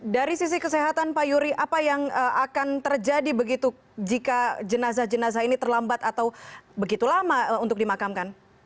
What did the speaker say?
dari sisi kesehatan pak yuri apa yang akan terjadi begitu jika jenazah jenazah ini terlambat atau begitu lama untuk dimakamkan